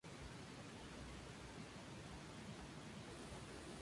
La consideraban la madre de la oscuridad y la fundadora de su linaje.